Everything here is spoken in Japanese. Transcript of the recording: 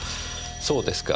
そうですか。